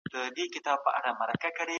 ستا وينمه خوند راكوي